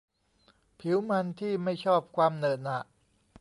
ผิวมันที่ไม่ชอบความเหนอะหนะ